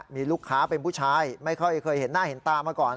มีลูกค้าเป็นผู้ชายไม่ค่อยเคยเห็นหน้าเห็นตามาก่อน